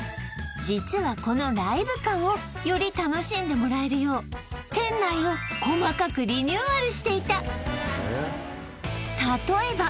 実はこのライブ感をより楽しんでもらえるよう店内を細かくリニューアルしていたえっ